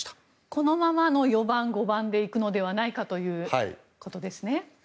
このままの４番、５番で行くのではないかということですね。